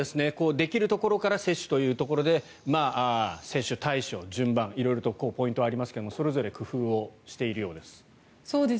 できるところから接種ということで接種対象、順番色々とポイントはありますけれどそれぞれ工夫をしているようです。